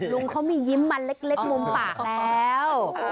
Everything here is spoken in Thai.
ลุงเขามียิ้มมาเล็กมุมปากแล้ว